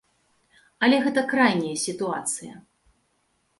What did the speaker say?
Але гэта крайняя сітуацыя.